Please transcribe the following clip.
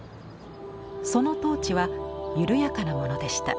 その統治は緩やかなものでした。